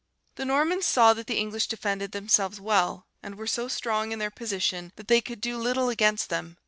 "The Normans saw that the English defended themselves well, and were so strong in their position that they could do little against them.